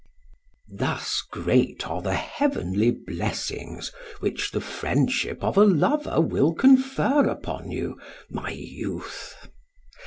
Thus great are the heavenly blessings which the friendship of a lover will confer upon you, my youth.